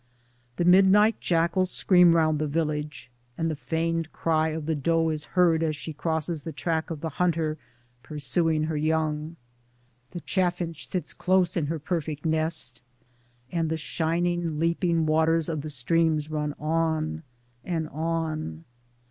The midnight jackals scream round the village ; and the feigned cry of the doe is heard as she crosses the track of the hunter pursuing her young ; the chaffinch sits close in her perfect nest, and the shining leaping waters of the streams run on and on.